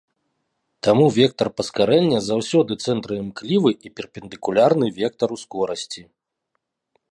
Таму вектар паскарэння заўсёды цэнтраімклівы і перпендыкулярны вектару скорасці.